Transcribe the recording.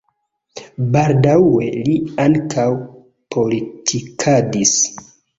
Baldaŭe li ankaŭ politikadis.